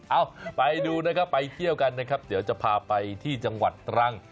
เอ้าไปดูนะครับไปเที่ยวกันนะครับเดี๋ยวจะพาไปที่จังหวัดตรัง